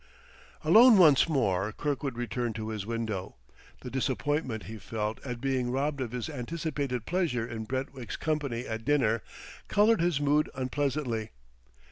Alone once more, Kirkwood returned to his window. The disappointment he felt at being robbed of his anticipated pleasure in Brentwick's company at dinner, colored his mood unpleasantly.